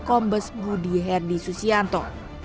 kombes budi herdy susianto